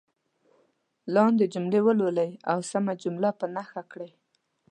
لاندې جملې ولولئ او سمه جمله په نښه کړئ.